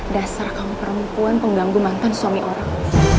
dasar kaum perempuan pengganggu mantan suami orang